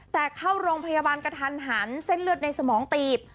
แต่เข้าโรงพยาบาลกระทันหันเส้นเลือดในสมองตีบ